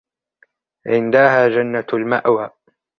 عندها جنة المأوى